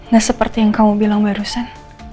nah seperti yang kamu bilang barusan